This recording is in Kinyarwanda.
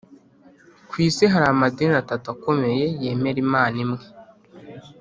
ku isi hari amadini atatu akomeye yemera imana imwe